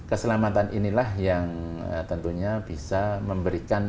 nah keselamatan inilah yang tentunya bisa memberikan keamanan